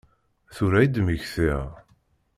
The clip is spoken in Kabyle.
Tura i d-mmektiɣ.